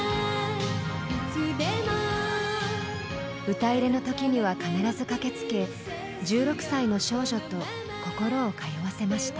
歌入れの時には必ず駆けつけ１６歳の少女と心を通わせました。